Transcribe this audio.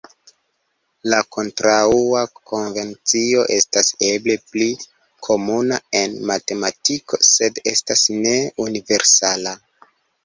La kontraŭa konvencio estas eble pli komuna en matematiko sed estas ne universala.